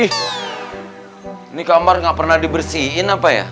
ini kamar gak pernah dibersihin apa ya